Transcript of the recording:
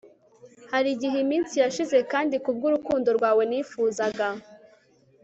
hari igihe iminsi yashize kandi kubwurukundo rwawe nifuzaga